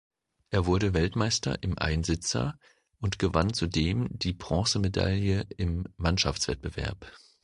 Er wurde Weltmeister im Einsitzer und gewann zudem die Bronzemedaille im Mannschaftswettbewerb.